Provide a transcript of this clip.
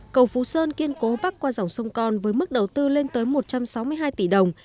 cầu phú sơn kiên cố bắc qua dòng sông con với mức đầu tư lên tới một trăm sáu mươi hai tỷ đồng